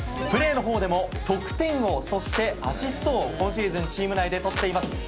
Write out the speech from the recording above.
プレーのほうでも得点王そしてアシスト王今シーズンチーム内でとっています。